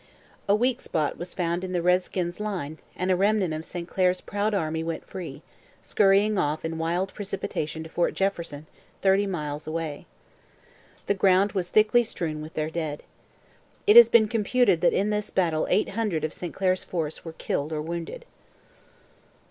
A weak spot was found in the redskins' line, and a remnant of St Clair's proud army went free, scurrying off in wild precipitation to Fort Jefferson, thirty miles away. The ground was thickly strewn with their dead. It has been computed that in this battle eight hundred of St Clair's force were killed or wounded.